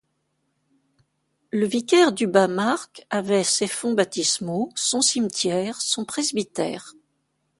Le vicaire du Bas Marck avait ses fonts baptismaux, son cimetière, son presbytère.